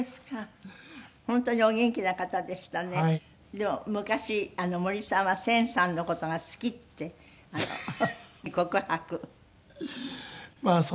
でも昔森さんは千さんの事が好きって告白。